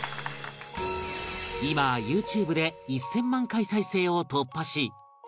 今 ＹｏｕＴｕｂｅ で１０００万回再生を突破し